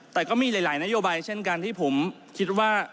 แต่ก็มีหลายนโยบายเช่นกันที่ผมคิดว่า